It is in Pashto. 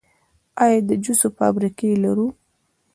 آیا د جوس فابریکې لرو؟